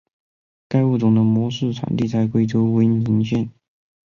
该物种的模式产地在贵州威宁县。